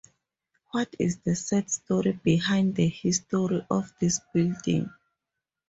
What is the sad story behind the history of this building?